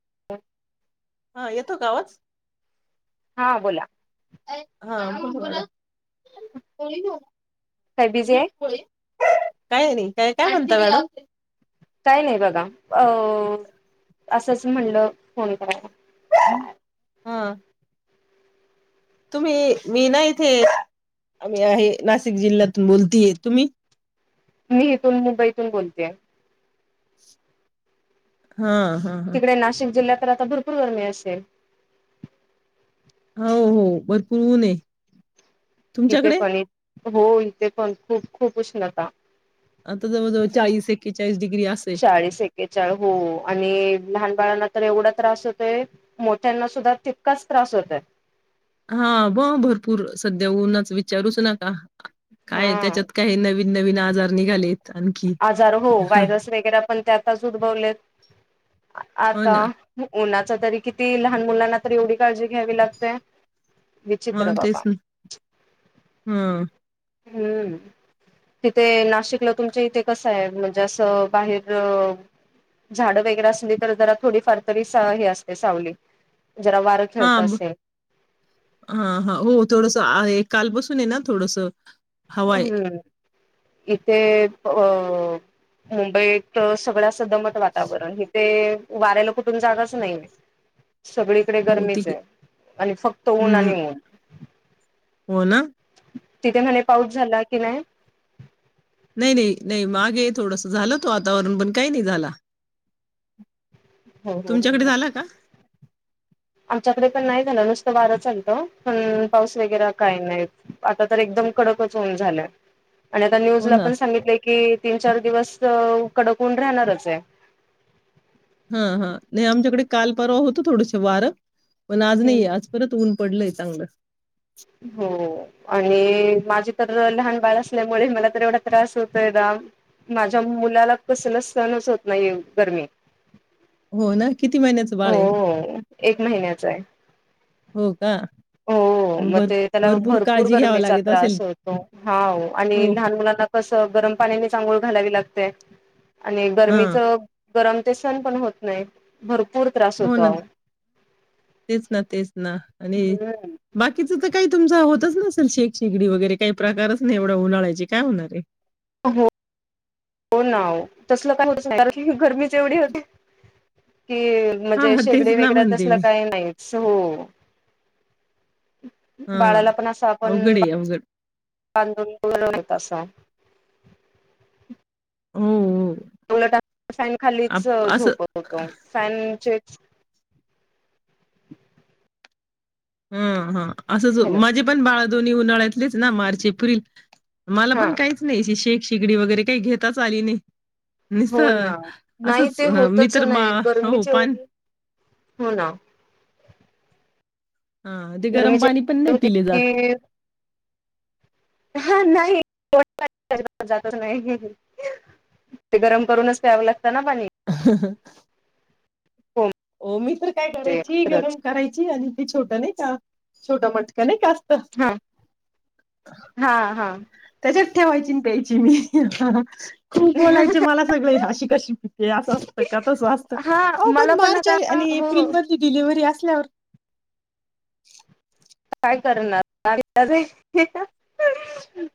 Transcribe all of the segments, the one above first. [inaudible] हा येतो का आवाज? हा, बोला. [unintelligible] पोळी देऊ, काय बिझी देऊ आहे का पोळी? काही आणि काय काय हाणता मॅडम? काही नाही बघा अ असंच म्हणलं फोन करावा. हा. तुम्ही मी ना इथे [unintelligible] हे आहे नाशिक जिल्ह्यातून बोलतीये. तुम्ही? मी इथून मुंबईतून बोलतेय. हा, हा, हा. तिकडे नाशिक जिल्ह्यात तर आता भरपूर गरमी असेल? हो, हो भरपूर ऊन आहे. इथे तुमच्याकडे? पण हे हो इथे पण खूप, खूप उष्णता आता जवळ-जवळ चाळीस एक्केचाळीस डिग्री असेल. चाळीस एक्केचाळ हो आणि लहान बाळांना तर एवढा त्रास होतोय, मोठ्यांना सुद्धा तितकाच त्रास होतोय. हा ब आहं हा काय त्याच्यात काय नवीन नवीन आजार निघाले. आजार हो व्हायरस वेगैरे पण त्यातच उद्भवलेत हो आता ना. उन्हात [unintelligible] तरी किती लहान मुलांना तर एवढी काळजी घ्यावी लागते. हा विचित्र बाबा तेच ना, हा. हम्म, तिथे नाशिकला तुमच्या इथे कस आहे म्हणजे असं बाहेर झाड वेगैरे असली तर जरा थोडीफार तरी हे असते सावली. जरा वारं हा, खेळत असेल हा, हा हो थोडस आहे. काल पासून आहे ना थोडंसं हम्म, इथे अ मुंबईत सगळंच दमट वातावरण इथे वाऱ्याला कुठून जागाच नाही. सगळीकडे हो गरमीच तिक आहे आणि फक्त ऊन हम्म आणि ऊन. हो ना? तिथे म्हणे पाऊस झाला की नाही नाही, नाही, नाही मागे थोडस झालं होत वातावरण, पण काही नाही झाला. तुमच्याकडे हो-हो-हो-हो. झाला का? आमच्याकडे पण नाही झालं नुसतं वारंच आलतं पण पाऊस वगैर काही नाही आता तर एकदम कडकच ऊन झालं आणि आता न्यूज हो ला ना. पण सांगितलय की तीन चार दिवस कडक ऊन राहणारच ये. हा हा नाही आमच्याकडे काल परवा होतो थोडस वारं पण आज नाइये आज परत ऊन पडलंय. [inaudible] हो आणि मा तर लहान बाळ, असल्यामुळे मला तर एवढा त्रास होतोय ना. माझ्या मुलाला कसल सहंनच होत नाही गरमी. हो ना किती, महिन्याच हो बाळ हे एक महिन्याचा आहे. हो हं मग ब ते त्याला भरपूर गरमेचा त्रास होतो हा अहो हो. आणि लहान मुलांना कसं गरम पाण्यानेच आंघोळ घालावी लाग ते, आणि गरमीच. हां. गरम ते सण पण होत नाय भर हो ना तेच ना तेच ना आणि हम्म. बाकीच त ही तुमचा होतच नसेल शेक शेगडी वगैरे काही प्रकारच नाही एवढं उन्हाळ्याची काय होणारे [inaudible] हो ना अहो तसलं काय होत सार गरमीच एवढी होते. कि हां, म्हणजे हां. तेच शेगडी ना वेगैर म्हणते तसल मी. काही नाहीच हो हां. बाळाला पण असं आपण अवघड आहे अवघड. बांदून [unintelligible] अस हो हो! म्हणून आता फॅन खालीच आप असं झोपत होतो फॅनचे हूं हा असंच हॅलो माजे पण बाळ दोनी उन्हाळ्यातलेच ना. March, April. मला हा पण काहीच नाई ही शे शेगडी वगैरे काई घेताच आली नय. हो ना नाही ते मी होतच तर मा नाही हो गरमीचे पान एवढे हो ना हा ते गरम गरमीची पाणी पण नाही होती पिले जात. की [unintelligible] हं हं! हो ओ मी तर काय, ते करायची गरम खरंच करायची आणि हे छोटा नाही का? छोटा मटका नाही का अस? हा हा हा त्याच्यात ठेवायची आणि प्यायची मी खूप हा बोलायचे मला सगळे आशी कशी पिते असं असतं का तसं असतं हा ओहो मला पण मार आता आणि हो एप्रिल मधली दिलीव घरी असल्यावर काय करणार आरे आरे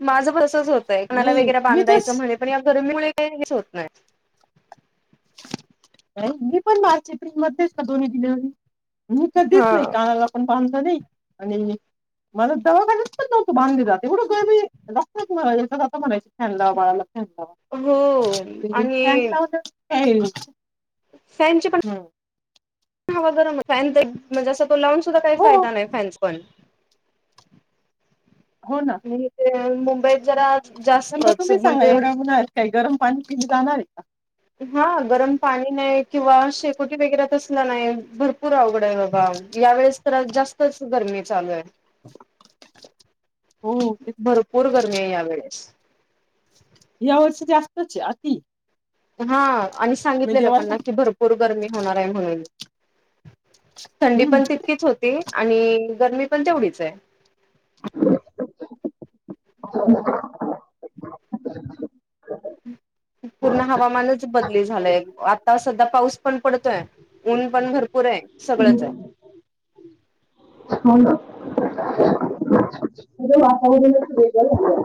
माझ बस तसंच होतय कानाला नाही वगैरे मी तस बांधायचं म्हणे पण या गर्मीमुळे [unintelligible] होत नाय. नाही मी पण मार्च एप्रिल मध्येचना दोन्ही डिलिव्हरी म कधीच हा नाई कानाला पण बांध होनी आणि मला दवाखान्यात पण नव्हत बांधले जात एवढं गरमित म्हणायच फॅन लावा बाळाला फॅन हो लावाफॅन लावा नं [unintelligible] फॅन ची पण हर फॅन म्हणजे अस तो लावून सुद्धा काही हो फायदा नाही फॅनस पण हो ना [unintelligible] मुंबईत जरा तर मग जास्तच तुम्ही सांगा म्हणजे एवढ्या उन्हाळ्यात काही गरम पाणी पिणं जाणार आहे का? हा गरम पाणी नाही किंवा शेकोटी वगैरे नाही भरपूर अवघड आहे बाबा या वेळेस तर जास्तच गरमी चालू आहे हो तेच ना भरपूर गर्मी आहे यावेेळेस यावर्षी जास्तच ये अति हा आणि म्हणजे सांगितलेलं वर्ष पण की भरपूर गरमी होणार आहे म्हणून [unintelligible] थंडी हम्म पण तितकीच होती. आणि गरमी पण तेवढीच ये. [unintelligible] [unintelligible] [unintelligible] पूर्ण हवामानच बदली झालाय आता सध्या पाऊस पण पडतोय ऊन पण भरपूर आहे. सगळंच ए हो ना वातावरण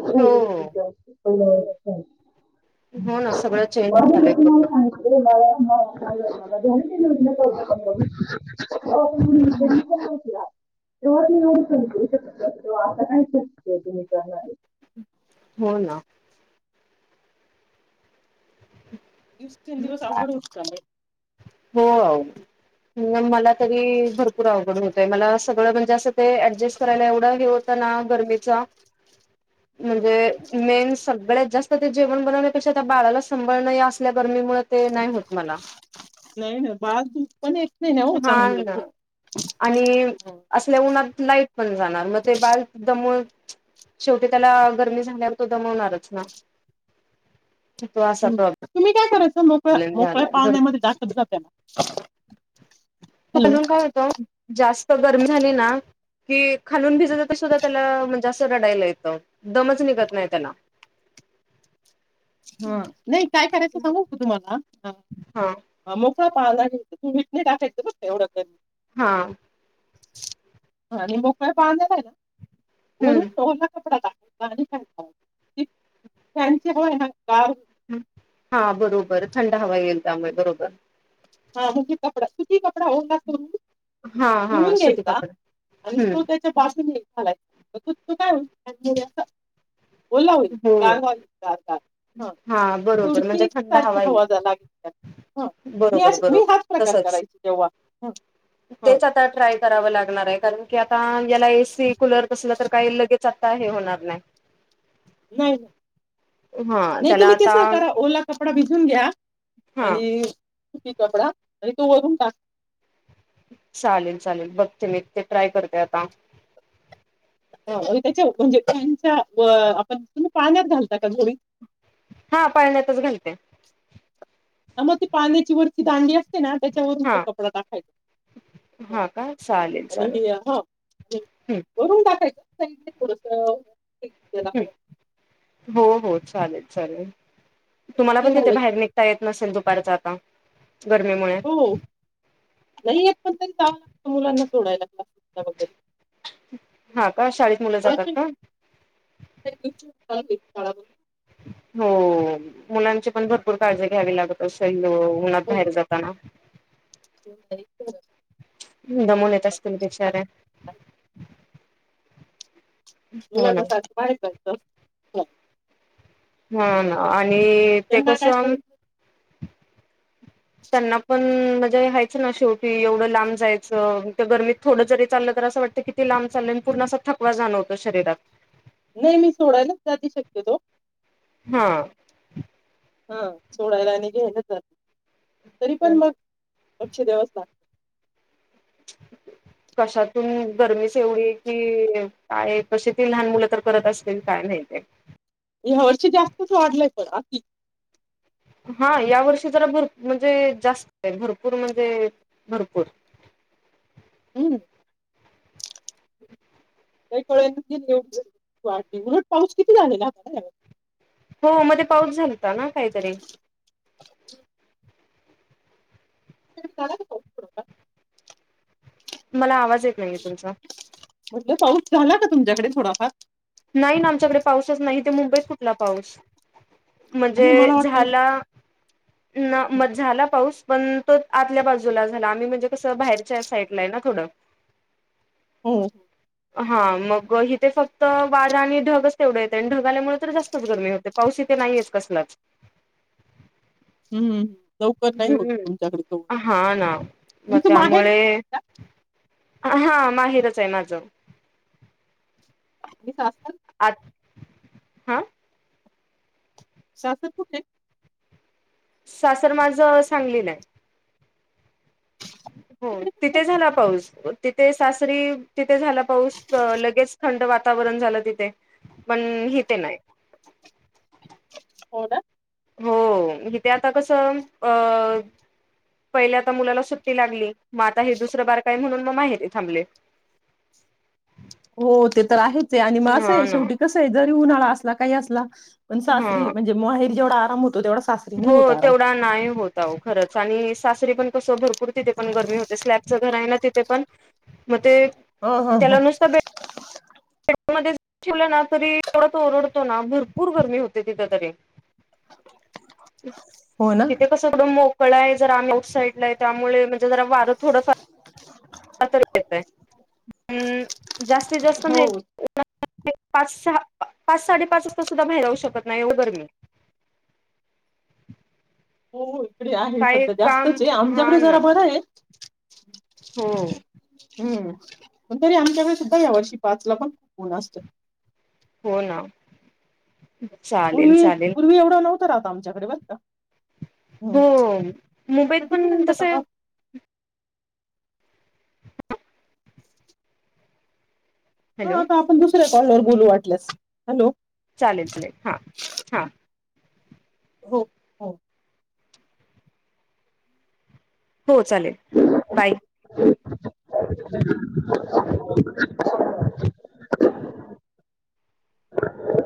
आहे हो वेगळं हो ना झालंय. सगळं चेंज झालंय [unintelligible] [unintelligible] [unintelligible] [unintelligible] पूर्ण [unintelligible] [unintelligible] तो आताच नाय शक्य तुम्ही करणारये हो ना दिवसेंदवस अवघड होत चायलय हो आओ मला तरी भरपूर अवघड होतय मला सगळं म्हणजे असं ते ऍडजस्ट करायला एवढं हे होतं ना गरमीचा म्हणजे मेन्स सगळ्यात जास्त ते जेवण बनवण्यापेक्षा त्या बाळाला सांभाळण या असल्या गरमी ते नाही होत मला नाय नाय बाज दु हा ना आणि असल्या उन्हात लाईट पण जाणार मग ते बाळ दमून शेवटी त्याला गरमी झाल्यावर तो दमवणारच ना हम तुम्ही काय कराच प्लेन झाला त्याला हॅलो वरून काय होत जास्त गरम झाली ना कि खालून भिजत सुद्धा त्याला म्हणजे असं रडायला येतं दमच निघत नाही त्याला हा नाही काय करायचं सांगू का तुम्हाला हा हा म ह पाळणा नाही मीठ नाही टाकायंच बर का एवढं हा ह आणि मोकळ पाळन्याला आहे ना हम्म. वरून टॉवेल चा कपडा टाक त्यांचे होय [inaudible] हा बरोबर थंड हवा येईल त्यामुळे बरोबर हा [unintelligible] कपडा ती कपडा ओला करून हा हा पिळून सुती घ्यायचा कापड आणि हं तो त्याच्या बासून घ्याय [unintelligible] ओला होईल हो गार गार गार गार हा हां बरोबर म्हणजे थोडीशी थंड सारखी येईल हवा जा लागे त्यागेल त्याला हा मी अशी मी बरोबर हाच प्रकार तसंच करायची तेव्हा हा हा तेच आता ट्राय कराव लागणार आहे. कारण की आता याला एसी कुलर बसवल तर काही लगेच आता हे होणार नाही नाही नाही हां नाही त्याला तुम्ही आता तस करा ओला कप [unintelligible] भिझून घ्या. हां आणि सुती कपडा आणि तो वरून टाक चालेल चालेल बघते मी ते ट्राय करते आता त्याच्या म्हणजे त्यां आपण त पाळण्यात घालता का झोळीत हा पाळण्यातच घालते त्यामुळे पाळण्याची वरची दांडी अस ना त्याच्यावरून तो हां कपडा टाकायचा ह हां का चालेल आणि चालेल. ह हं वरून टाकायचं [unintelligible] थोडस ह हो हो चालेल चालेल तुम्हाला ते पण तिथ झालं की बाहेर निघता येत नसेल परत आता गरमीमुळे हो नाही येत पण तरी मुलांना सोडायला वगैरे हा का शाळेत मुलं जातात का? चालते शाळा बंद. हो मुलांची पण भरपूर काळजी घ्यावी लागत असेल त उन्हात हो, बाहेर जाताना हो, नाही घरातच दमून येत असतील असतात. बिचाऱ्या मुलांना सारख बाहेरच [inaudible] हा ना ते ते त्यांना काय कसंनं करू त्यांना पण जेवण व्हायचं ना शेवटी एवढं लांब जायचं इथं गरमीत थोडं जरी चाललं तर असं वाटतं किती लांब चालोय आणि पूर्ण असा थकवा जाणवतो शरीरात नाही मी सोडायलाच जाते शक्यतो हा हा सोडायला आणि घ्यायला जा तरी पण मग उच्छ देवस्थान कशातून गरमीच एवढी कि काय कशी ती लहान मुलं तर करत असतील काय नाही ते ह्या वर्षी जास्तच वाढलंय पण अती हा या वर्षी जरा भ म्हणजे जास्त आहे भरपूर म्हणजे भरपूर [inaudible] [inaudible] का कळेली उलट पाऊस किती झालेला आता ना हो मध्ये पाऊस झालता ना काहीतरी [inaudible] तुमच्या कड झाला का पाऊस थोडासा मला आवाज येत नाहीये तुमचा म्हणजे पाऊस झाला का तुमच्याकडे थोडा फार नाही ना आमच्याकडे पाऊसच नाही ते मुंबईत कुठला पाऊस म्हणजे नाही मला वाटतय झाला ना म झाला पाऊस पण तो आतल्या बाजूला झाला आम्ही म्हणजे कसं बाहेरच्या साईडला आहे ना थोडं. हम्म, हम्म हा मग हिथे फक्त वारा आणि ढगच तेवढं येत आणि ढग आल्यामुळे तर जास्तच गरमी होते पाऊस इथे नाहीेच कसलाच हूं लवकर नाही होत हम्म तुमच्याकडच [unintelligible] हा ना मग तुमच माहेर त्यामुळे हा माहेरच आहे माझं. आणि सासर? आत हा सासर कुठे आहे? सासर माझं सांगलीलाय हो तिकडे पण कव्हर तिथे झाला पाऊस. तिथे सासरी तित झाला पाऊस लगेच थंड वा वातावरण झालं तिथे. पण ह ते नाय. हो ना? हो हिथ आता कसं अं पहिल्या आता मुलाला सुट्टी लागली, मग आता हे दुसरं बारक हाय म्हणून मग माहेरी थांबले. हो ते तर आहेच आहे आणि मग असं हा आहे ना शेवटी कसं आहे जर उन्हाळा असला काही असला पण हा सासरी म्हणजे मोहे जेवढा आराम तेवढा सासरी नाही हो होत आराम तेवढा नाही होत आहो खरच आणि सासरी पण तस भरपूर तिथे पण गर्मी होते. स्लॅपचं घर आहे ना तिथे पण, मग ते हो, हो, हो. खे मध्ये ठेवलं ना तरी थोडा त ओरडतो ना भरपूर गरमी होत तिथ तरी हो ना हिथे कस एढं मोकळ आहे जरा आम्ही आऊट साईडला हाय. त्यामुळे ज जरा वार थोडासा [inaudible] [inaudible] जास्तीत जास्त हो नाही. पाच सहा पाच साडेपाच वाजता सुद्धा बाहेर जाऊ शकत नाही येव गर्मी हो, हो. डे आहे सध्या जास्तचे हा आमच्याकडे ना जरा बरं आहे.. हम्म. हो. हम्म पण तरी आमच्याकडे सुद्धा या वर्षी पाचला पण खूप ऊन असत हो ना चालेल पूर्वी चालेल पूर्वी एवढं नव्ह ती रहा आता आमच्याकडे बास का? हम्म. हो आता मुंबईत किती पण मिनिटाचा तसं आहे कॉल [inaudible] हॅलो हो तो आपण दुस [unintelligible] कॉलवर बोलू वाटलंस, हॅलो. चालेल चालेल हां हां हो, हो. हो चालेल बाय [unintelligible]